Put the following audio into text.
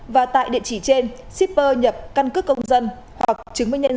và tại địa chỉ trên shipper nhập căn cước công dân hoặc chứng minh nhân dân